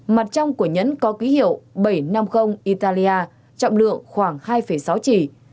mặt trong của nhẫn có ký hiệu bảy trăm năm mươi italia trọng lượng khoảng hai sáu chỉ